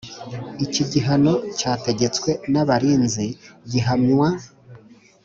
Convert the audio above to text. Iki gihano cyategetswe n abarinzi gihamywa